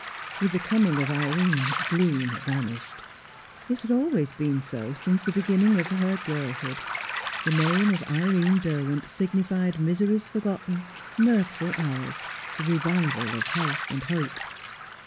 With the coming of Irene, gloom vanished. It had always been so, since the beginning of her girlhood; the name of Irene Derwent signified miseries forgotten, mirthful hours, the revival of health and hope.